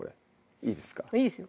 いいですよ